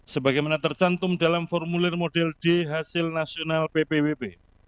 sebagaimana tercantum dalam formulir model d hasil nasional ppwp